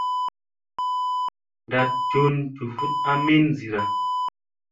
Ndat njun njuvut a min zira.